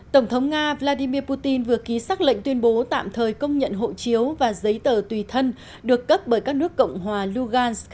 tổng thống nga vladimir putin vừa ký xác lệnh tuyên bố tạm thời công nhận hộ chiếu và giấy tờ tùy thân được cất bởi các nước cộng hòa lugansk và donetsk